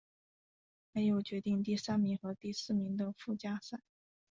还有决定第三名和第四名的附加赛。